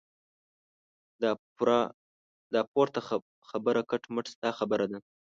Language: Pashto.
دا پورته خبره کټ مټ ستا خبره ده.